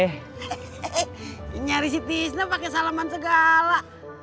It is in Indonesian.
hehehe nyari si fisna pake salaman segala